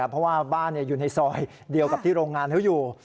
เพราะว่าบ้านอยู่ในซอยเดียวกับที่โรงงานเขาอยู่